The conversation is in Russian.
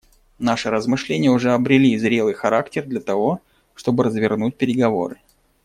Наши размышления уже обрели зрелый характер для того, чтобы развернуть переговоры.